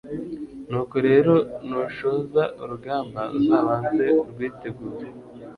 nuko rero nushoza urugamba uzabanze urwitegure